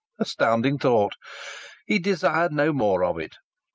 Astounding thought! He desired no more of it!